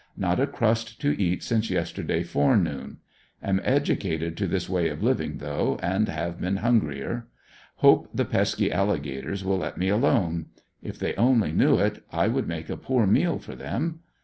Not a crust to eat since yesterday fore noon. Am educated to this way of living though, and have been hungryer. Hope the pesky alligators will let me alone If they only knew it, I would make a poor meal for them.